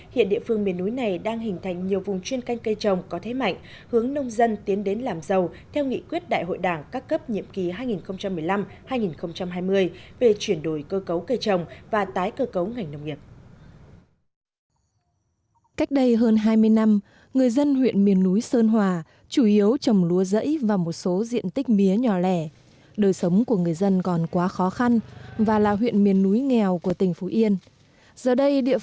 hiện địa phương miền núi này đang hình thành nhiều vùng chuyên canh cây trồng có thế mạnh hướng nông dân tiến đến làm giàu theo nghị quyết đại hội đảng các cấp nhiệm ký hai nghìn một mươi năm hai nghìn hai mươi về chuyển đổi cơ cấu cây trồng và tái cơ cấu ngành nông nghiệp